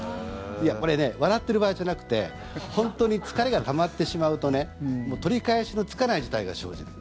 これ、笑ってる場合じゃなくて本当に疲れがたまってしまうと取り返しのつかない事態が生じる。